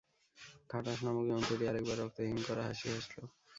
খাটাশ নামক জন্তুটি আরেক বার রক্ত হিম-করা হাসি হাসল।